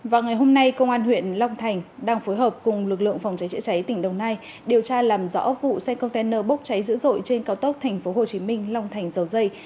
và ngày hôm nay công an huyện long thành đang phối hợp cùng lực lượng phòng cháy chữa cháy tỉnh đồng nai điều tra làm rõ vụ xe container bốc cháy dữ dội trên cao tốc tp hcm long thành dầu dây